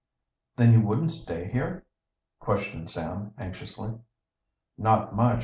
"Then you wouldn't stay here?" questioned Sam anxiously. "Not much!